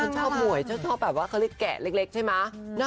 ชอบหวยชอบแบบว่าเขาเรียกแกะเล็กใช่ไหม